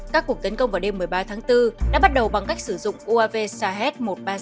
các cuộc tấn công vào đêm một mươi ba tháng bốn đã bắt đầu bằng cách sử dụng uav sahet một trăm ba mươi sáu